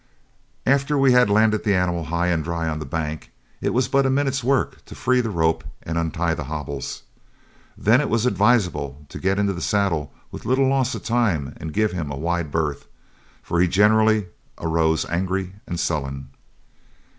After we had landed the animal high and dry on the bank, it was but a minute's work to free the rope and untie the hobbles. Then it was advisable to get into the saddle with little loss of time and give him a wide berth, for he generally arose angry and sullen.